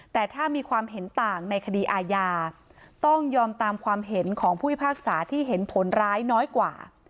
แต่ถ้ามีความเห็นต่างในคดีอาญาต้องยอมตามความเห็นของผู้พิพากษาที่เห็นผลร้ายน้อยกว่า